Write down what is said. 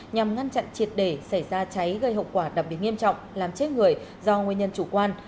nhằm ngăn chặn triệt để xảy ra cháy gây hậu quả đặc biệt nghiêm trọng làm chết người do nguyên nhân chủ quan